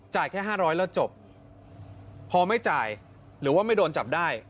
แค่๕๐๐แล้วจบพอไม่จ่ายหรือว่าไม่โดนจับได้